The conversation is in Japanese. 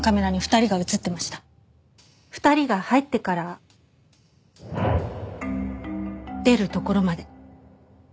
２人が入ってから出るところまで。